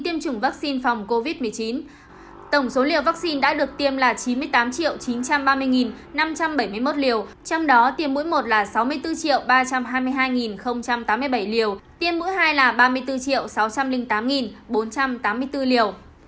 tổng số liều vắc xin đã được tiêm là chín mươi tám chín trăm ba mươi năm trăm bảy mươi một liều trong đó tiêm mũi một là sáu mươi bốn ba trăm hai mươi hai tám mươi bảy liều tiêm mũi hai là ba mươi bốn sáu trăm linh tám bốn trăm tám mươi bốn liều